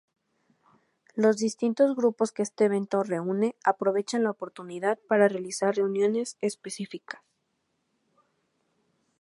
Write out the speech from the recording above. Los distintos grupos que este evento reúne, aprovechan la oportunidad para realizar reuniones específicas.